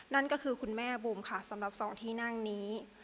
นั่นก็คือคุณแม่บูมค่ะสำหรับสองที่นั่งนี้